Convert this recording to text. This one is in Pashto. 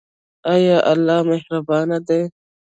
ایا الله مهربان دی؟